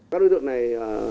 các đối tượng này